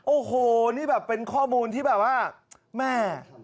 โอ้โหนี่แบบเป็นข้อมูลที่แบบว่าแม่